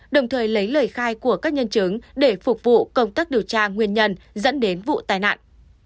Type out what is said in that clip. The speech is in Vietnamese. đồng thời lấy lời khai của các nhân chứng để phục vụ công tác điều tra nguyên nhân dẫn đến vụ tai nạn